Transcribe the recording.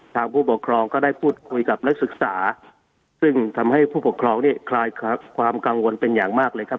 ผู้ปกครองก็ได้พูดคุยกับนักศึกษาซึ่งทำให้ผู้ปกครองเนี่ยคลายความกังวลเป็นอย่างมากเลยครับ